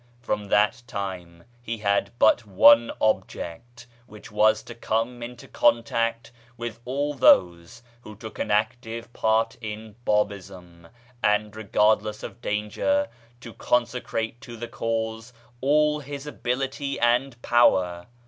From that time he had but one object, which was to come into contact with all those who took an active part in Babism, and, regardless of danger, to consecrate to the Cause all his ability and power.